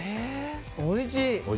おいしい。